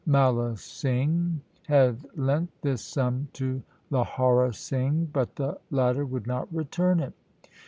Mala Singh had lent this sum to Lahaura Singh, but the latter would not return it.